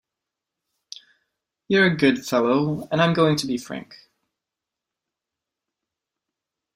You’re a good fellow, and I’m going to be frank.